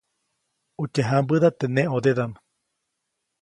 Utye jãmbäda teʼ neʼ ʼõdedaʼm.